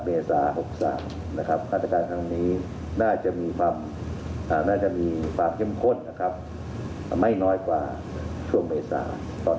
คือเราให้หลักการก็คือว่าถ้าสมมุติว่าเราจำกัดการเดินทาง